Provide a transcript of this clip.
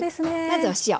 まずお塩。